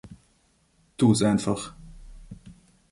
Tu’s einfach!